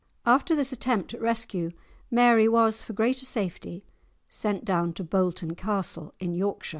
After this attempt at rescue Mary was, for greater safety, sent down to Bolton Castle in Yorkshire.